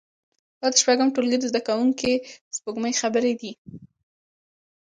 دا د شپږم ټولګي د زده کوونکې سپوږمۍ خبرې دي